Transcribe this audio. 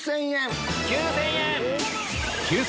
９０００円。